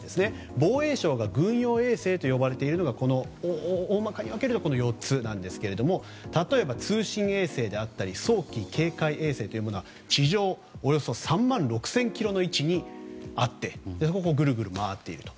防衛省で軍用衛星と呼ばれているのが大まかに分けるとこの４つなんですが例えば通信衛星であったり早期警戒衛星というものは地上およそ３万６０００ｋｍの位置にあってグルグル回っていると。